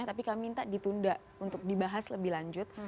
tapi kami minta ditunda untuk dibahas lebih lanjut